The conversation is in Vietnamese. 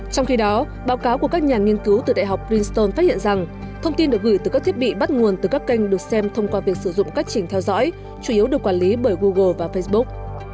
trong khi đó báo cáo của các nhà nghiên cứu từ đại học crinston phát hiện rằng thông tin được gửi từ các thiết bị bắt nguồn từ các kênh được xem thông qua việc sử dụng cách trình theo dõi chủ yếu được quản lý bởi google và facebook